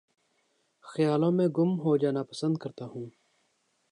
خیالوں میں گم ہو جانا پسند کرتا ہوں